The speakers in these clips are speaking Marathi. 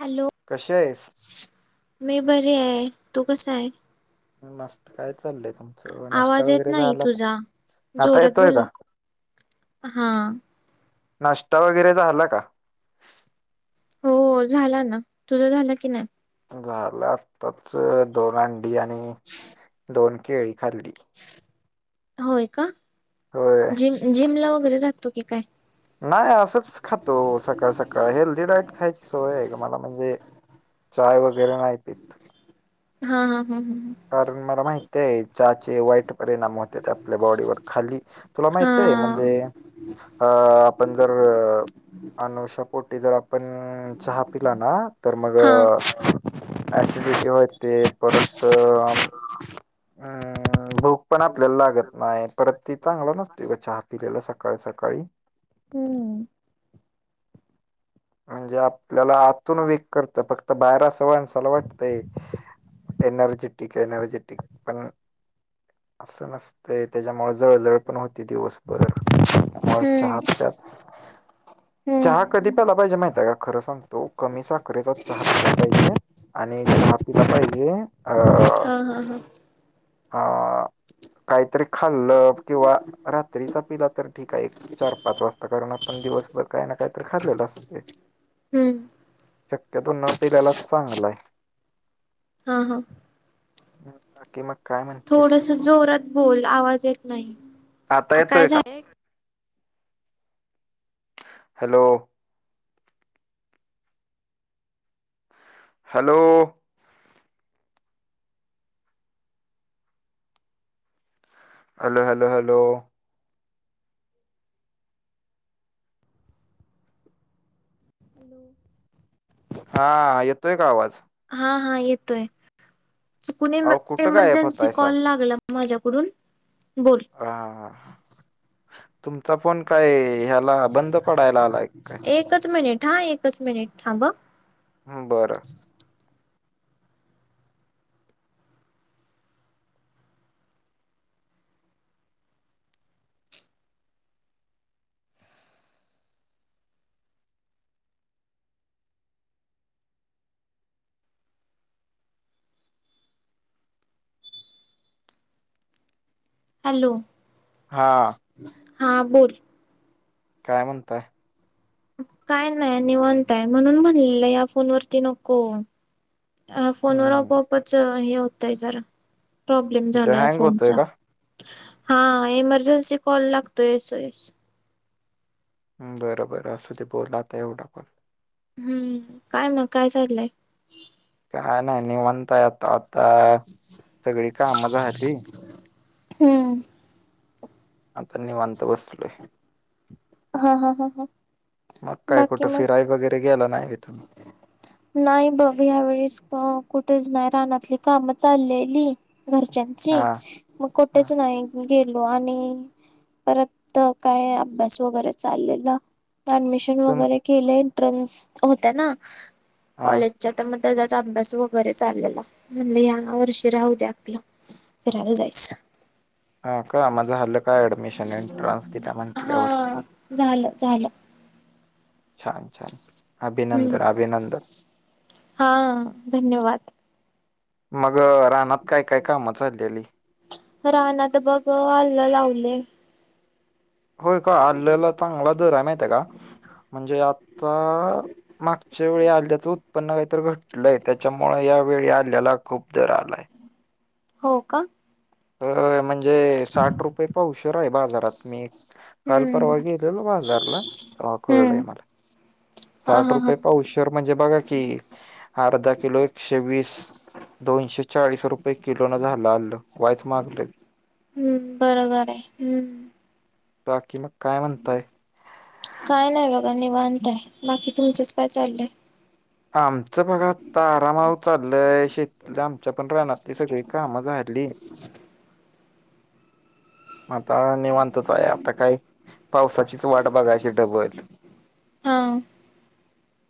हॅलो. कसेच. मी बरी आहे तू कस आहे. मस्त काय चाललंय तुमचं नाष्टा आवाज येत वगैरे नाही झाला का? तुझा आता जोरात येतोय बोल का? हा. नाश्ता वगैरे झाला का? हो झाला ना तुझं झालं की नाही. घाला आताच दोन अंडी आणि दोन केळी खाल्ली. होय का होय जिम जिम ला वगैरे जाततो की काय? नाही असंच खातो सकाळ सकाळ हेल्दी डाईट खायची सोय आहे का मला म्हणजे. चाय वगैरे नाही पत. हा हा हा हा ह. कारण मला माहित आहे ज्याचे वाईट परिणाम होते त्या. आपल्या बॉडीवर खाली तुला हा ह हा माहित आहे म्हणजे. अ आपण जर अनुष्या पोटी जर आपण. चहा पिला ना तर मग. हा सिडिटी होय ते परत. ह. भूक पण आपल्याला लागत नाही परत ती चांगलं नसते ग चहा पिलेला सकाळी सकाळी. हम्म. म्हणजे आपल्याला आतून वेक करत फक्त बाहेर सवणसाला वाटतंय. एनर्जेटिक एनर्जेटिक पण. असं मस्त त्याच्यामुळेळ जवळजवळ. होती दिवसभर त्या चहा हम्म प्या चहा कधी. हम्म प्यायला पाहिजे माहितय का खरं सांगतो कमी साखरेचा चहा पिला पाहिजे. आणि चहा पिला पाहिजे अ. हा हा हां. ह काहीतरी. खाल्लं किंवा रात्रीचा पिला तर ठीक आहे. चार पाच वाजता कारण आपण दिवसभर काय ना काय तर खालेलं. हम्म. शक्यतो न पिल्यालाच चांगलाय. हा हा, बाकी मग काय म्हणतेस. थोडस जोरात बोल आवाज येत नाही. आता आ, काय येतोय का. झालंय hello. Hello. Hello hello hello. हा येतोय का आवाज. हा हा येतोय कुणी अहो कुठं गायब इमर्जन्सी होतायसा कॉल लागला. माझ्याकडून बोल. ह तुमचा फोन काय ह्याला बंद पडायला आलाय काय एकच मिनिट हा एकच मिनिट थांब. बरं. हॅलो. हा. हा बोल. काय म्हणताय. काय नाही नि म्हणताय म्हणून म्हणलेलं या फोन वरती नको. अ फोनवर हम्म आपोआपच हे होतंय जरा प्रॉब्लेम ते झाला या हँग होतोय फोनचा का हा इमर्जन्सी कॉल लागतो येसो येस. बरं बरं असं ते बोलाता एवढा पण. हम्म काय मग काय चाललंय. काय नाही नि म्हणताय आता आता सगळी कामचहात. हम्म. आतानीवंत बसतलय. हा हा हा हा. मग काय बाकी कुठं मग फिराई वगैरे गेला नाही भथून. नाही बघ ह्या वेळीस कुठेच नाही रानातली कामं चाललेली घरच्यां जची हा मग हा कुठेच नाही गेलो आणि परत काय अभ्यास. वगैरे चालले ऍडमिशन तुम वगैरे केले एंट्रन्स होत्या ना हा कॉलेजचा तर मग त्या त्याचा अभ्यास वगैरे चाललेला म्हणजे ह्या वर्षी राहू दे आपलं. फिरायला जायच. हा का माझं हल्लं काय ऍडमिशन एंट्रन्स तिला म्हटल्यावर हा झालं झालं. छान छान हम्म अभिनंदन अभिनंदन. हा धन्यवाद. मग राहनात काय काय काम चाललीली. राहना तर बघ हल्लं लावले. होय का आलेला चांगला दर आहे माहित आहे का? म्हणजे आता मागच्या वेळी आल्याचं उत्पन्न काहीत घटत. लय त्याच्यामुळे या वेळी आल्याला खूप जर आलाय. हो का? अ म्हणजे साठ रुपये पावशर आहे बाजारात मी कालपरवा हम्म इल वादारला कोळड हम्म मला हा साठ हा हा रुपये पाऊस शवर म्हणजे बघा कि अर्धा किलो एकशे वीस दोनशे चाळीस रुपये किलो न झालं अल्ल वायच मागलं. बरोबर आहे हम्. बााकी मग कामम तय. काय नाही बघा निीवांताय बाकी तुमचेच काय चाललंय. आमचं भागात तारामाव चाललंय शे आमच्या पण रानातली सगळी काम झाली. [unintelligible] आता म्हणतचोय आता काही पावसाचीच वाट बघायची डबली. हा.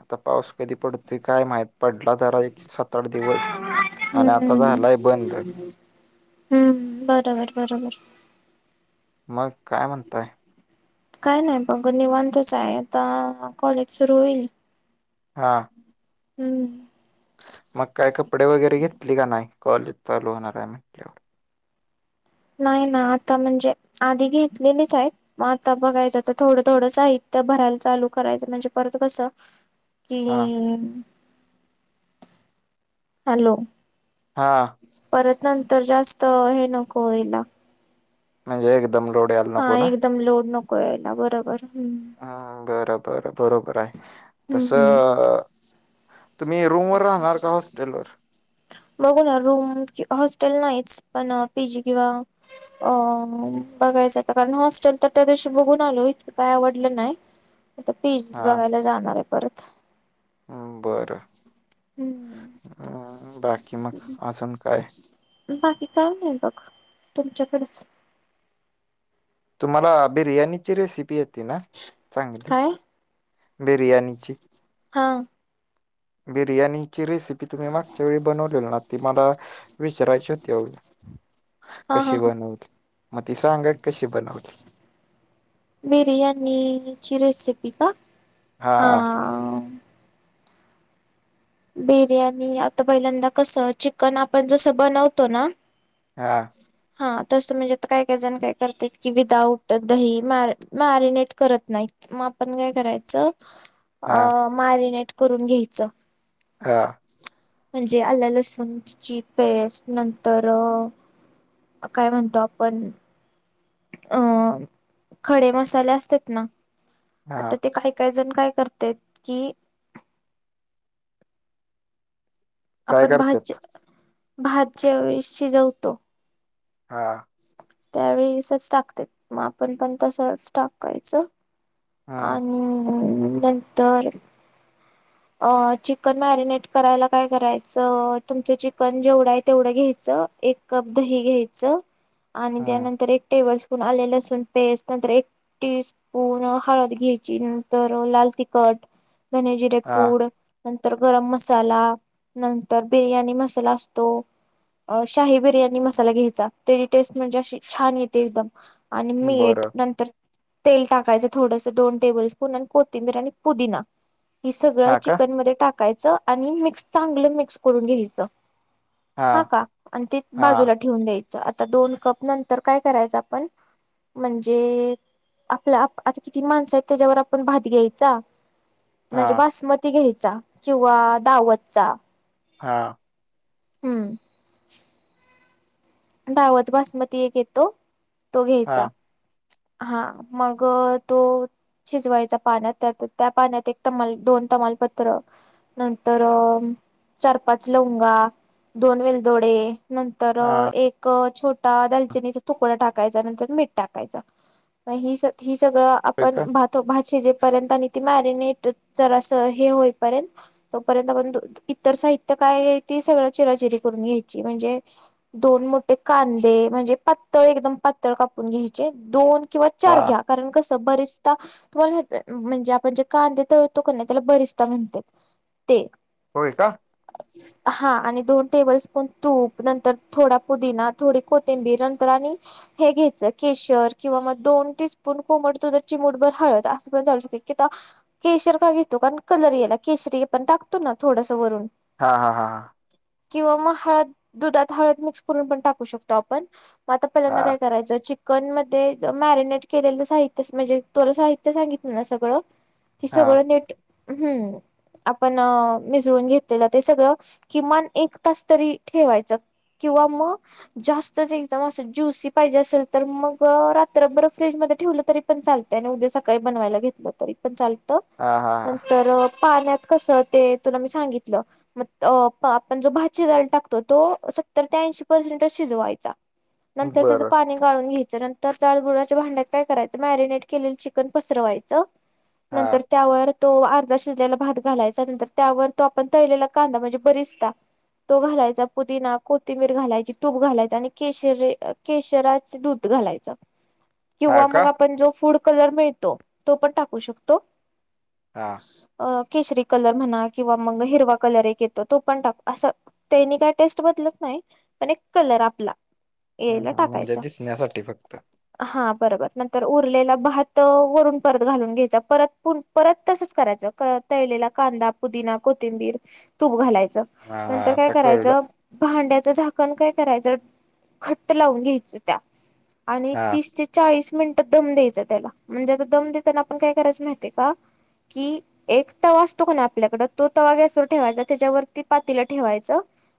आता पाऊस कधी पडतोय काय माह पडला जरा एक. सत आठ दिवस आणि आता हम्म झालाय बंद. हम्म बरोबर बरोबर. मग काय म्हणताय. काय नाही बघ निवांतच आहे आता कॉलेज सुरू होईल. हां. हम्म. मग काय कपडे वगैरे घेतले का नाही कॉलेज चालू होणार आहे म्हटल्यावर नाही ना आता म्हणजे आधी घेतलेलीच आहेत. ग आता बघायच तर थोडं थोडं साहित्य भरायला चालू करायचं म्हणजे परत कस. क हां. हॅलो. हा. परत नंतर जास्त हे नको याला. म्हणजे एकदमडो. हा एकदम लोड नकोला बरोबर हम. ह बरबर बरोबर आहे तस. हम्म. तुम्ही रूमवरर राहणार का हॉस्टेलवरर. बघू ना रूम हॉस्टेल नाहीच पण पीजी किंवा अ बघायचं कारण हॉस्टेल तर त्या दिवशी बघून आलो इतकं काय आवडलं नाही. आता पीजस बघायला जाणार आहे परत. ह बरं हम्म बाकी मग अजून काय. बाकी काय नाही बघ तुमच्याकडेच. तुम्हाला बिर्याणीची रेसिपी येते ना चांगली काय बिरयाणीची हा बिर्याणीची रेसिपी की तुम्ही मागच्या वेळी बनवलेल ना ती मला विचारायची होती ह हा हा कशी ह बनवली मग ती सांगा कशी बनवली बिर्याणीची रेसिप का हां बिर्याणी आता पहिल्यांदा कसं चिकन आपण जसं बनवतो ना हा हा तसं म्हणजे आता काय काही जण काय करत की विदाउट दही म मॅरिनेट करत नाहीत मग आपण काय करायचं हां, अ मॅरिनेट करून घ्यायचं हा म्हणजे आला लसूणची पेस्ट नंतर काय म्हणतो आपण अ खडे मसाले असतात ना हां. आता ते काय काही जण काय करते कि काय आपण भाज करतात? भाज्या शिजवतो हा त्यावेळीसच टाकते मग आपण पण तसच टाकायचं हां, आणि नंतर अ चिकन मॅरिनेट करायला काय करायचं तुमचं चिकन जेवढं आहे तेवढं घ्यायचं एक कप दही घ्यायचं आणि हां, त्यानंतर एक टेबल स्पून आले लसूण पेस्ट नंतर एक टी स्पून हळद घ्यायची नंतर लाल तिखट धनजिरे हां. पूड नंतर गरम मसाला नंतर बिर्याणी मसाला असतो अ शाही बिर्याणी मसाला घ्यायचा त्याची टेस्ट म्हणजे अशी छान येते एकदम आणि मीट बरं. नंतर तेल टाकायचं थोडस दोन टेबल स्पून आणि कोथिंबीर आणि पुदिना ही सग सगळं हां का? चिकन मध्ये टाकायचं आणि मिक्स चांगलं मिक्स करून घ्यायचं हा हां, का आणि ते हां, बाजूला ठेवून द्यायचं आता दोन कप नंतर काय करायचं आपण म्हणजे आपला आता किती माणसं आहेत त्याच्यावर आपण भात घ्यायचा म्हणजे हां, बासमती घ्यायचा किंवा दावतचा हा हम्म धावत बासमती एक येतो तो घ्यायचा हां, हा मग तो शिजवायच्या पाण्यात त्या त्या पाण्यात एक तमाल दोन तमालपत्र नंतर चार पाच लवंगा दोन वेलदोडे नंतर हां. एक छोटा दालचिनीचा तुकडा टाकायचा नंतर मीठ टाकायचा ह ही सगळं होय आपण का? त भाजी जेपर्यंत आणि ती मॅरिनेट जर अस हे होईपर्यंत तोपर्यंत आपण इतर साहित्य काय ते सगळं चिराचिरी करून घ्यायची म्हणजे दोन मोठे कांदे म्हणजे पातळ एकदम पातळ कापून घ्यायचे दोन किंवा चार हां. घ्या कारण कसं बरेचदा तुम्हाला माह म्हणजे आपण जे कांदे ततो नाही त्याला बरिचता म्हणतात ते होय का ह हा आणि दोन टेबल स्पून तूप नंतर थोडा पुदिना थोडी कोथिंबीर नंतर आणि हे घ्यायचं केशर किंवा मग दोन तेी स्पून कोमट तो जर चिमडभर हळत असं पण जाू शकत की आ केशर का घेतो कारण कलर याला केशरी पण टाकतो ना थोडस वरून हा हा हा हा. किंवा मग, हळद दुधात हळद मिक्स करून पण टाकू शकतो आपण. आता पहिल्यांदा काय हां, करायचं चिकन म ते मॅरिनेट केलेलं साहित्य म्हणजे तुला साहित्य सांगितलं ना सगळं. ते हां, सगळं नीट हम्म. आपण अ मिसळून घेतलेलं, ते सगळं किमान एक तास तरी ठेवायचं. किंवा मग जास्त एकदम अस ज्युसी पाहिजे असेल, तर मग रात्र बरं फ्रीज मध्ये ठेवलं तरी, पण चालतयं आणि उद्या सकाळी बनवायला घेतलं तरी. पण चालत हां, हां, नंतर पाण्यात कसं ते तुला मी सांगितलं. मग आपण जो भात शिजायला टाकतो, तो सत्तर ते ऐंशी पर्सेंटच शिजवायचा. हां. नंतर त्याचं बरं. पाणी गाळून घ्यायचं. नंतर जाडबुडाच्या भांड्यात काय करायचं, मॅरिनेट केलेलं चिकन पसरवायच हां, नंतर त्यावर तो अर्धा शिजलेला भात घालायचा नंतर त्यावर, तो आपण तळलेला कांदा म्हणजे बरीचदा तो घालायचा पुदीना कोथंबीर घालायची, तूप घालायचा आणि केशर -केशराच दूध घालायच हां किंवा, का? मग आपण जो फूड कलर मिळतो तो पण टाकू शकतो. हा. अ केशरी कलर म्हणा किंवा, मग हिरवा कलर एक येतो तो पण टाक असं त्यानी काय टेस्ट बदलत नाही, पण एक कलर आपला यायला टाकायचा. साठी फक्त. हा बरोबर नंतर उरलेला भात वरून परत घालून घ्यायचा परत पुन्हा परत तसच करायच तळलेला कांदा पुदिना कोथिंबीर तूप घालायचं. हां, नंतर हां. काय आता करायच? कळलं. भांड्याचं झाकण काय करायच, घट्ट लावून घ्यायच त्या आणि हां, तीस ते चाळीस मिनिट दम द्यायचा त्याला म्हणजे, आता दम देताना आपण काय करायच माहितय का कि एक तवा असतो कनय आपल्याकड, तो तवा गॅसवर ठेवायचा त्याच्यावरती पातील ठेवायच.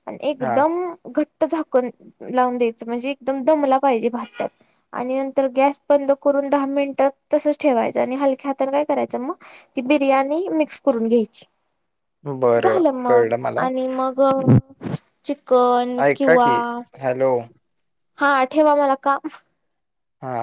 आणि हां. एकदम घट्ट झाकण लावून द्यायच, म्हणजे एकदम दमला पाहिजे भात त्यात. आणि नंतर गॅस बंद करून दहा मिनिटात तसच ठेवायचं आणि हलक्या हातान काय करायचं मग ती बिर्याणी मिक्स करून घ्यायची बरं, झाल, मग कळलं मला. आणि मग ग चिकन ऐका किंवा की हॅलो. हा, ठेवा मला काम हा.